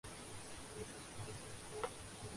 بہت روتے ہیں۔